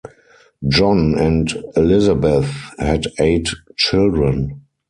John and Elizabeth had eight children.